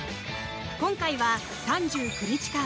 今回は３９日間